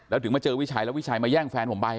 แล้วถึงมาเจอวิชัยแล้ววิชัยมาแย่งแฟนผมไป